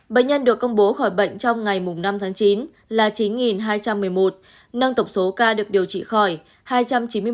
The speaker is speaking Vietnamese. bệnh nhân được công bố khỏi bệnh trong ngày năm tháng chín là chín hai trăm một mươi một nâng tổng số ca được điều trị khỏi